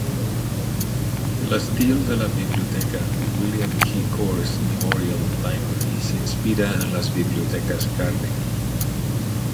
L'estil de la biblioteca William K. Kohrs Memorial Library s'inspira en les biblioteques Carnegie.